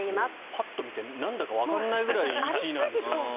パッと見てなんだかわからないぐらい１位ですね。